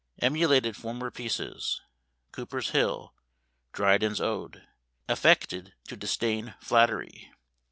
Emulated former pieces. Cooper's hill. Dryden's ode. Affected to disdain flattery.